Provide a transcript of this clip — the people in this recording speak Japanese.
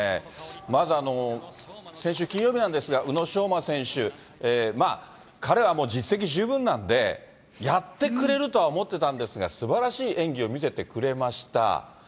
まず、先週金曜日なんですが、宇野昌磨選手、彼はもう実績十分なんで、やってくれるとは思ってたんですが、すばらしい演技を見せてくれました。